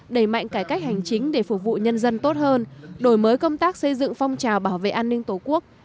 đẩy mạnh cải cách hành chính để phục vụ nhân dân tốt hơn đổi mới công tác xây dựng phong trào bảo vệ an ninh tổ quốc